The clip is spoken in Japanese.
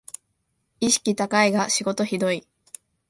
意識高いが仕事ひどい